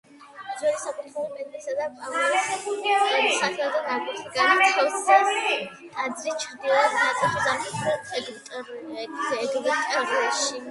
ძველი საკურთხეველი პეტრესა და პავლეს სახელზე ნაკურთხი განათავსეს ტაძრის ჩრდილოეთ ნაწილში, ზამთრის თბილ ეგვტერში.